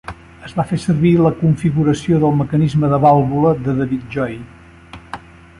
Es va fer servir la configuració del mecanisme de vàlvula de David Joy.